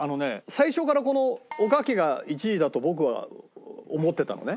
最初からこのおかきが１位だと僕は思ってたのね。